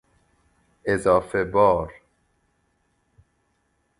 اضافه بار